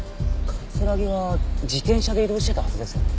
木は自転車で移動してたはずですよね。